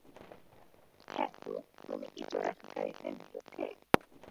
হ্যা তো, তুমি কি চোরাশিকারীদের বিরুদ্ধে?